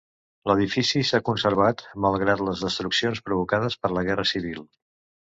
L'edifici s'ha conservat malgrat les destruccions provocades per la Guerra Civil.